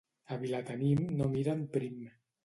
A Vilatenim no miren prim.